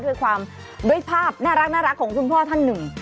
ด้วยความด้วยภาพน่ารักของคุณพ่อท่านหนึ่ง